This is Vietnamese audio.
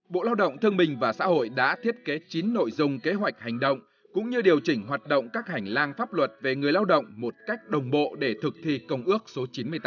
bộ lao động thương minh và xã hội đã thiết kế chín nội dung kế hoạch hành động cũng như điều chỉnh hoạt động các hành lang pháp luật về người lao động một cách đồng bộ để thực thi công ước số chín mươi tám